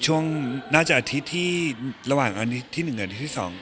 ช่วงน่าจะอาทิตย์ที่ระหว่างอาทิตย์ที่๑กับอาทิตย์ที่๒